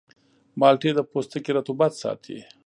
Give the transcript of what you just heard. مالټې د پوستکي رطوبت ساتي.